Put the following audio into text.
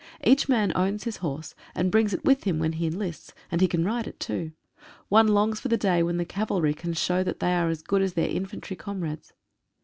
Each man owns his horse, and brings it with him when he enlists, and he can ride it too. One longs for the day when the cavalry can show that they are as good as their infantry com rades.